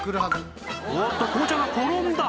おっと紅茶が転んだ！